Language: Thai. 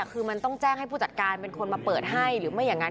คือมันต้องแจ้งให้ผู้จัดการเป็นคนมาเปิดให้หรือไม่อย่างนั้น